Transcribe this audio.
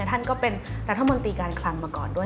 ท่านก็เป็นรัฐมนตรีการคลังมาก่อนด้วย